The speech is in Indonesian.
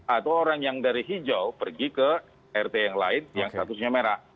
atau orang yang dari hijau pergi ke rt yang lain yang statusnya merah